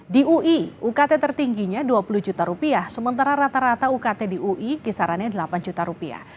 di ui ukt tertingginya dua puluh juta rupiah sementara rata rata ukt di ui kisarannya delapan juta rupiah